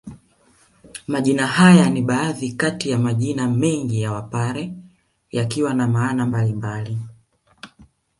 Majina haya ni baadhi kati ya majina mengi ya Wapare yakiwa na maana mbalimbali